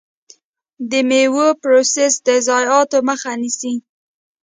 د میوو پروسس د ضایعاتو مخه نیسي.